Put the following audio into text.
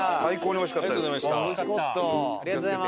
おいしかったです。